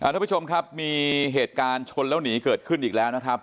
ทุกผู้ชมครับมีเหตุการณ์ชนแล้วหนีเกิดขึ้นอีกแล้วนะครับ